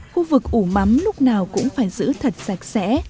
khu vực ủ mắm lúc nào cũng phải giữ thật sạch sẽ